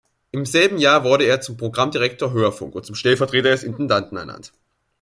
Im selben Jahr wurde er zum Programmdirektor Hörfunk und zum Stellvertreter des Intendanten ernannt.